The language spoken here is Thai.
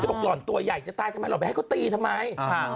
บอกหล่อนตัวใหญ่จะตายทำไมหล่อไปให้เขาตีทำไม